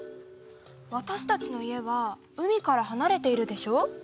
わたしたちの家は海からはなれているでしょ。